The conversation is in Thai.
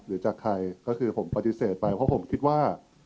หรือจากใครก็คือผมปฏิเสธไปเพราะผมคิดว่า